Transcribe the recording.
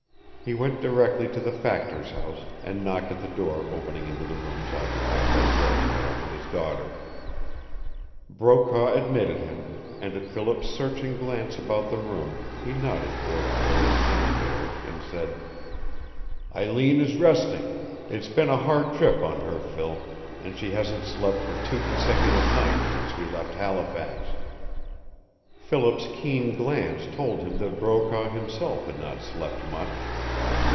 He went directly to the factor's house, and knocked at the door opening into the rooms occupied by Brokaw and his daughter. Brokaw admitted him, and at Philip's searching glance about the room he nodded toward a closed inner door and said: "Eileen is resting. It's been a hard trip on her, Phil, and she hasn't slept for two consecutive nights since we left Halifax." Philip's keen glance told him that Brokaw himself had not slept much.